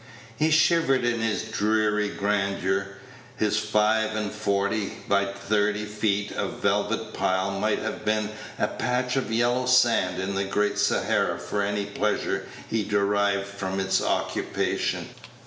He shivered in his dreary grandeur. His five and forty by thirty feet of velvet pile might have been a patch of yellow sand in the great Sahara for any pleasure he derived from its occupation.